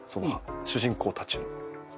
主人公たちの。